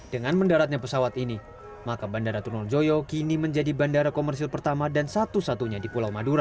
dengan mendaratnya pesawat ini maka bandara turnojoyo kini menjadi bandara komersil pertama dan satu satunya di pulau madura